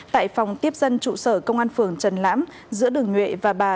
tại phòng tiếp dân trụ sở công an phường trần lãm giữa đường nhuệ và bà